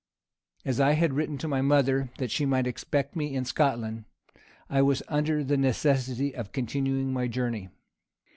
As I had written to my mother that she might expect me in Scotland, I was under the necessity of continuing my journey.